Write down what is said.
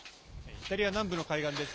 イタリア南部の海岸です。